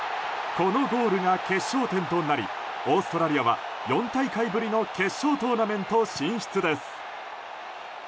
このゴールが決勝点となりオーストラリアは４大会ぶりの決勝トーナメント進出です。